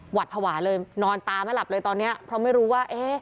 หวัดภาวะเลยนอนตาไม่หลับเลยตอนเนี้ยเพราะไม่รู้ว่า